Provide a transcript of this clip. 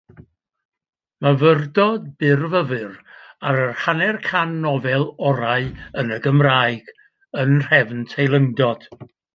Myfyrdod byrfyfyr ar yr hanner can nofel orau yn y Gymraeg, yn nhrefn teilyngdod.